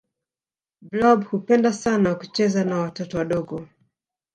blob hupenda sana kucheza na watoto wadogo